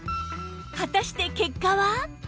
果たして結果は？